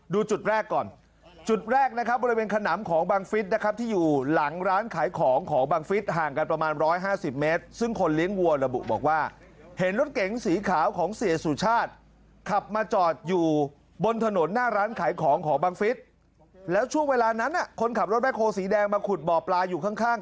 ดูจุดแรกก่อนจุดแรกนะครับบริเวณขนำของบังฟิศนะครับที่อยู่หลังร้านขายของของบังฟิศห่างกันประมาณ๑๕๐เมตรซึ่งคนเลี้ยงวัวระบุบอกว่าเห็นรถเก๋งสีขาวของเสียสุชาติขับมาจอดอยู่บนถนนหน้าร้านขายของของบังฟิศแล้วช่วงเวลานั้นคนขับรถแบคโฮสีแดงมาขุดบ่อปลาอยู่ข้างข้าง